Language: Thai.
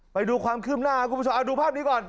ไปดูความคืบหน้าคุณผู้ชมเอาดูภาพนี้ก่อน